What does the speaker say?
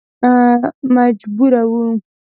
مجبور و.